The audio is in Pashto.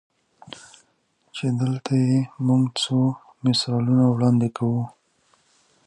چې دلته ئې مونږ څو مثالونه وړاندې کوو-